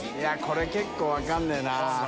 これ結構分かんねえな。